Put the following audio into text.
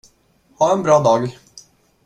Ha en bra dag.